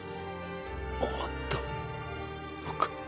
終わったのか？